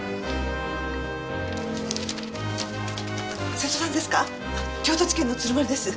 瀬戸さんですか？